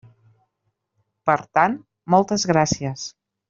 Per tant, moltes gràcies.